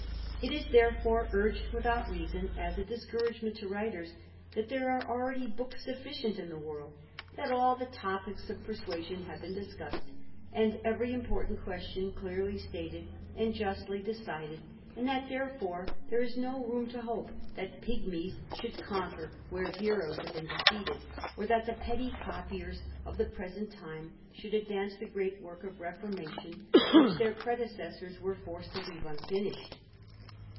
It is, therefore, urged without reason, as a discourage ment to writers, that there are already books sufficient i the world; that all the topicks of persuasion have bee discussed, and every important question clearly stated an justly decided; and that, therefore, there is no room t hope that pigmies should conquer where heroes have bee defeated, or that the petty copiers of the present time shoul advance the great work of reformation, which their pre decessors were forced to leave unfinished.